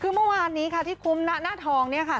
คือเมื่อวานนี้ค่ะที่คุ้มหน้าทองเนี่ยค่ะ